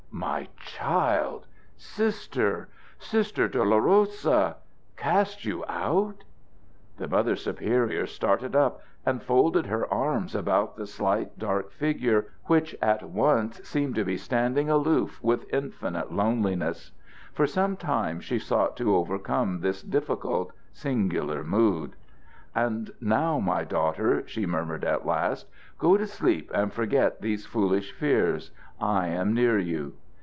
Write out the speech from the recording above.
"My child! Sister! Sister Dolorosa! Cast you out!" The Mother Superior started up and folded her arms about the slight, dark figure, which at once seemed to be standing aloof with infinite loneliness. For some time she sought to overcome this difficult, singular mood. "And now, my daughter," she murmured at last, "go to sleep and forget these foolish fears. I am near you!"